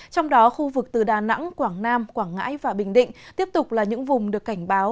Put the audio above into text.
trong đó khu vực từ đà nẵng quảng nam quảng ngãi và bình định tiếp tục là những vùng được cảnh báo